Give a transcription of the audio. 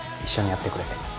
一緒にやってくれて。